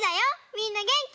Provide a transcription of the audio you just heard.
みんなげんき？